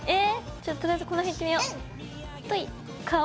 ちょとりあえずこの辺いってみよう。